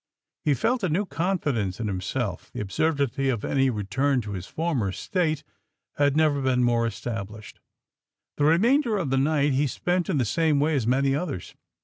He felt a new confidence in himself. The absurdity of any return to his former state had never been more established. The remainder of the night he spent in the same way as many others.